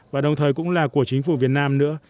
và đồng thời cũng là của chính phủ việt nam nữa